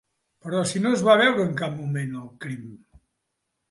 Però si no es va veure en cap moment, el crim.